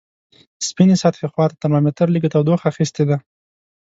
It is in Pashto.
سپینې سطحې خواته ترمامتر لږه تودوخه اخستې ده.